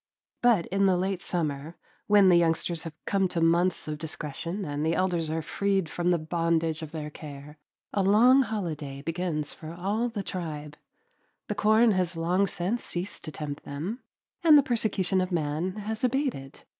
But in the late summer, when the youngsters have come to months of discretion and the elders are freed from the bondage of their care, a long holiday begins for all the tribe. The corn has long since ceased to tempt them, and the persecution of man has abated.